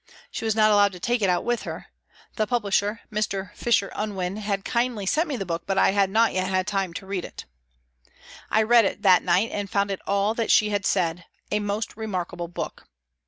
She was not allowed to take it out with her. The publisher, Mr. Fisher Unwin, had kindly sent me the book, but I had not yet had time to read it. I read it that night and found it all that she had said a most remarkable book.